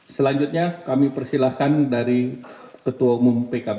selanjutnya kami persilahkan dari ketua umum pkb